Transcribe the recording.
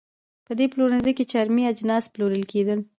په دې پلورنځۍ کې چرمي اجناس پلورل کېدل.